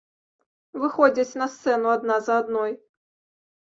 Выходзяць на сцэну адна за адной.